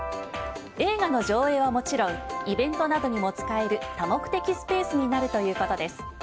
映画の上映はもちろんイベントなどにも使える多目的スペースになるということです。